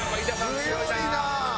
強いな！